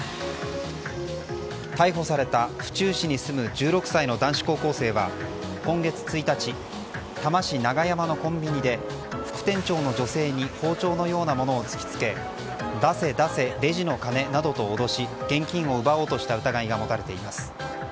逮捕された府中市に住む１６歳の男子高校生は今月１日多摩市永山のコンビニで副店長の女性に包丁のようなものを突き付け出せ、出せレジの金などと脅し現金を奪おうとした疑いが持たれています。